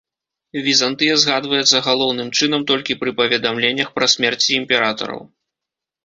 Візантыя згадваецца галоўным чынам толькі пры паведамленнях пра смерці імператараў.